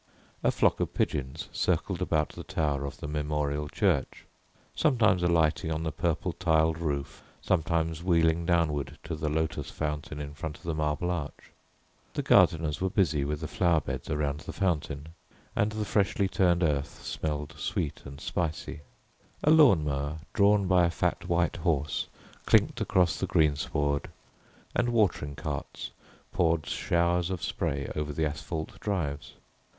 A flock of pigeons circled about the tower of the Memorial Church; sometimes alighting on the purple tiled roof, sometimes wheeling downward to the lotos fountain in front of the marble arch. The gardeners were busy with the flower beds around the fountain, and the freshly turned earth smelled sweet and spicy. A lawn mower, drawn by a fat white horse, clinked across the green sward, and watering carts poured showers of spray over the asphalt drives.